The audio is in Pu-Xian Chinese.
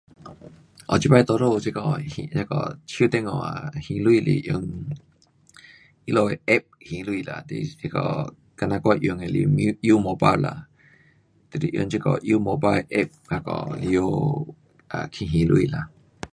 我这次多数这个还那个手电话还钱是用 um 他们的 app 还钱啦。就是这个好像我用的那是 u, umobile 啦。就是用这个 umobile 的 app 那个进内 um 去还钱啦。